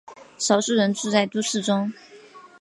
少数人住在都市中。